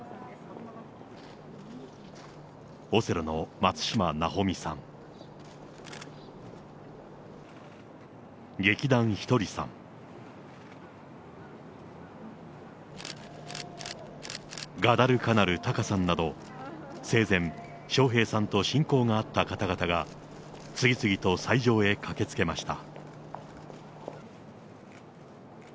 オセロの松嶋尚美さん、劇団ひとりさん、ガダルカナル・タカさんなど生前、笑瓶さんと親交があった方々が、次々と斎場へ駆けつけました。